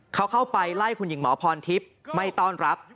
เขาเข้าไปไล่คุณหญิงหมอพรทิพย์ไม่ต้อนรับ